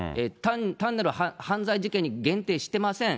単なる犯罪事件に限定してません。